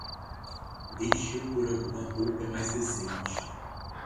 Deixe eu por alguma roupa mais decente.